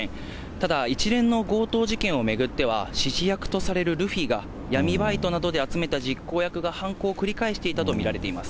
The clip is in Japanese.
ただ、一連の強盗事件を巡っては、指示役とされるルフィが闇バイトなどで集めた実行役が犯行を繰り返していたと見られています。